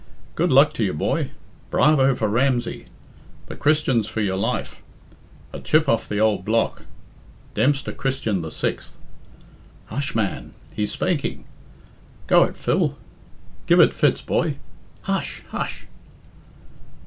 "Good luck to you, boy!" "Bravo for Ramsey!" "The Christians for your life!" "A chip of the ould block Dempster Christian the Sixth!" "Hush, man, he's spaking!" "Go it, Phil!" "Give it fits, boy!" "Hush! hush!"